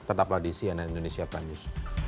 tetaplah di cnn indonesia prime news